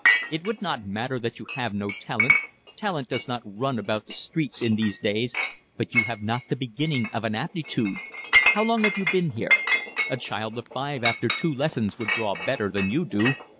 It would not matter that you have no talent, talent does not run about the streets in these days, but you have not the beginning of an aptitude. How long have you been here? A child of five after two lessons would draw better than you do.